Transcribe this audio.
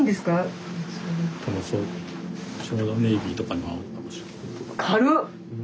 ちょうどネイビーとかにも合うかもしれない。